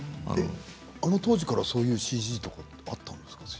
あのころからそういうＣＧとかあったんですか。